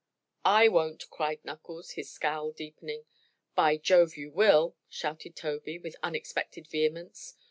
"I won't!" cried Knuckles, his scowl deepening. "By Jove, you will!" shouted Tobey, with unexpected vehemence.